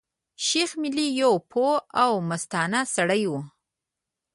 شېخ ملي يو پوه او مستانه سړی وو.